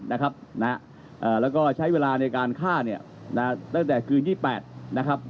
แล้วก็ใช้เวลาในการฆ่าเนี่ยนะตั้งแต่คืน๒๘นะครับ